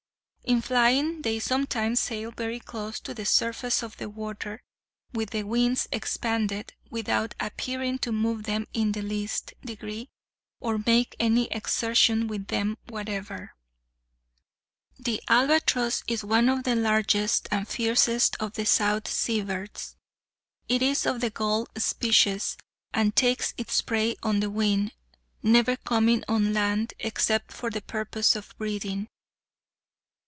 In flying they sometimes sail very close to the surface of the water, with the wings expanded, without appearing to move them in the least degree, or make any exertion with them whatever. The albatross is one of the largest and fiercest of the South Sea birds. It is of the gull species, and takes its prey on the wing, never coming on land except for the purpose of breeding.